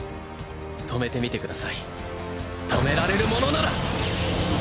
止めてみてください止められるものなら！